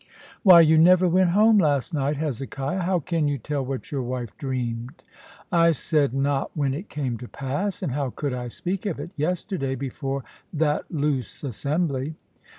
"Why, you never went home last night, Hezekiah. How can you tell what your wife dreamed?" "I said not when it came to pass. And how could I speak of it yesterday before that loose assembly?"